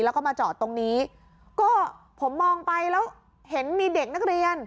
แล้วก็มาจอดตรงนี้ก็ผมมองไปแล้วเห็นมีเด็กนักเรียน